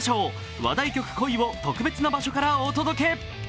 話題曲「恋」を特別な場所からお届け。